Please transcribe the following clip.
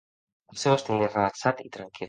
El seu estil és relaxat i tranquil.